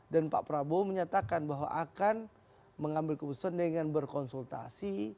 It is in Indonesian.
dan pak prabowo menyatakan bahwa akan mengambil keputusan dengan berkonsultasi